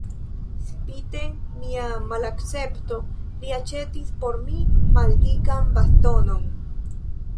Spite mia malakcepto li aĉetis por mi maldikan bastonon.